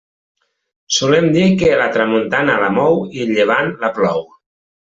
Solem dir que la tramuntana la mou i el llevant la plou.